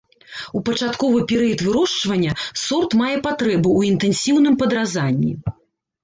У пачатковы перыяд вырошчвання сорт мае патрэбу ў інтэнсіўным падразанні.